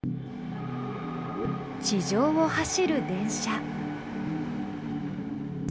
地上を走る電車。